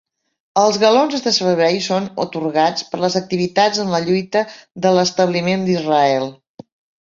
Els galons de servei són atorgats per les activitats en la lluita de l'establiment d'Israel.